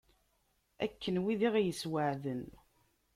Akken wid i ɣ-yessweεden.